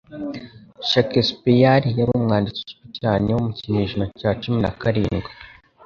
Shakespeare yari umwanditsi uzwi cyane wo mu kinyejana cya cumin a karindwi.